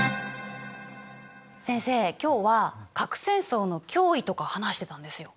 先生今日は核戦争の脅威とか話してたんですよ。